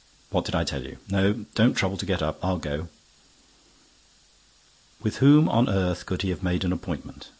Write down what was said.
"What did I tell you? No, don't trouble to get up: I'll go." With whom on earth could he have made an appointment?